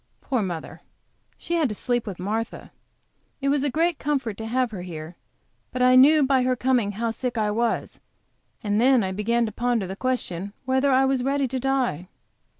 Poor mother, she had to sleep with Martha. It was a great comfort to have her here, but I knew by her coming how sick I was, and then I began to ponder the question whether I was ready to die.